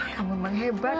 kamu emang hebat